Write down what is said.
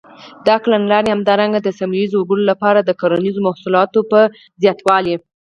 دا کړنلارې همدارنګه د سیمه ییزو وګړو لپاره د کرنیزو محصولاتو په زباتوالي.